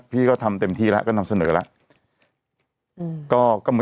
พี่ก็ทำเต็มที่แล้วก็นำเสนอแล้ว